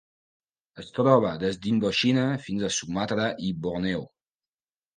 Es troba des d'Indoxina fins a Sumatra i Borneo.